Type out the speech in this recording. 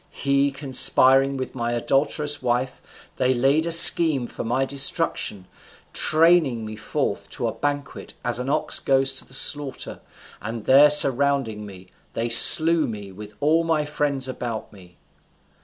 He conspiring with my adulterous wife, they laid a scheme for my destruction, training me forth to a banquet as an ox goes to the slaughter, and, there surrounding me, they slew me with all my friends about me.